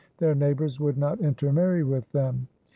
Their neighbours would not intermarry with them.